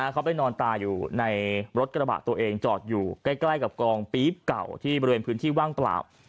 เขาไปนอนตายอยู่ในรถกระบะตัวเองจอดอยู่ใกล้กับกองปี๊บเก่าที่บริเวณพื้นที่ว่างเปล่า